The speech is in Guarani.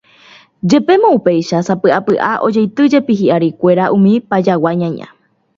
Jepémo upéicha, sapy'apy'a, ojeitýjepi hi'arikuéra umi Pajagua ñaña